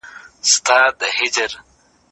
ده د تړونونو درناوی ضروري بللی و.